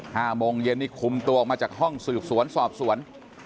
ห้าโมงเย็นนี่คุมตัวออกมาจากห้องสืบสวนสอบสวน